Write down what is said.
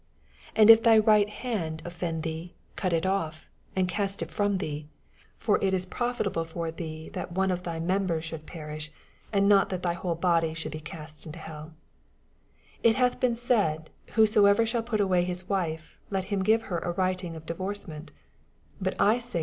80 And if thy right hand offend thee, cnt it off, and cast it ftom thee : for it is profitable Ibr thee that one oi 40 BZPOSITOBT THOUQHTS. Ihj memben shoold periBh, and not tkat thy whole body shoald be oast into heiL 81 It hath been aaid, Whoeoever •hall pat asray his wife, let him give her a writing of divorcement : 88 Bat I Bay a?